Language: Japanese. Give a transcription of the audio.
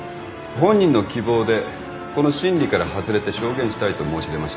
本人の希望でこの審理から外れて証言したいと申し出ました。